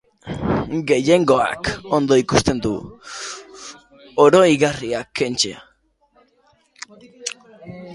Gehiengoak ondo ikusten du oroigarriak kentzea.